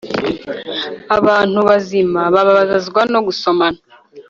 Abantu bazima bababazwa no gusomana